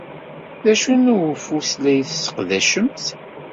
D acu n uwfus ay la tesseqdacemt?